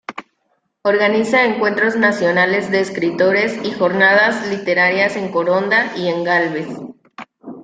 Organiza encuentros nacionales de escritores y jornadas literarias en Coronda y en Gálvez.